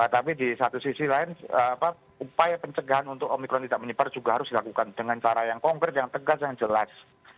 tapi di satu sisi lain upaya pencegahan untuk omikron tidak menyebar juga harus dilakukan dengan cara yang konkret yang tegas yang jelas